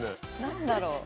何だろう？